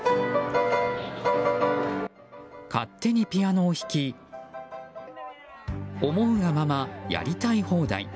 勝手にピアノを弾き思うがまま、やりたい放題。